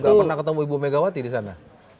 gak pernah ketemu ibu megawati di sana